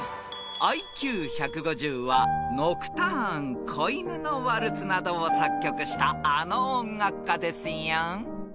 ［ＩＱ１５０は『ノクターン』『小犬のワルツ』などを作曲したあの音楽家ですよ］